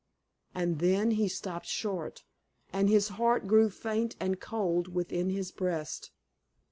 And then he stopped short, and his heart grew faint and cold within his breast.